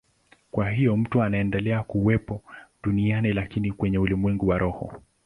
Kwa hiyo mtu anaendelea kuwepo duniani, lakini kwenye ulimwengu wa roho.